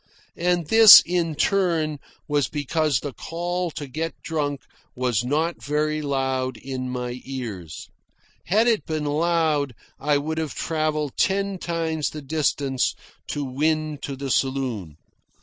And this, in turn, was because the call to get drunk was not very loud in my ears. Had it been loud, I would have travelled ten times the distance to win to the saloon.